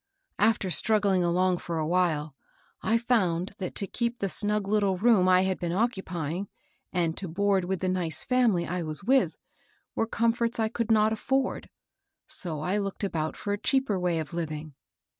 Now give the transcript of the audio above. "After struggling along for a while, I found that to keep the snug little room I had been occupying, and to board with the nice family I was with, were comforts I could not afford; so I looked about for a cheaper way of living.